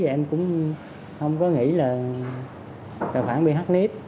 em cũng không có nghĩ là tài khoản bị hắt nếp